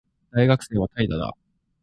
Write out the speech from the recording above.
大学生は怠惰だ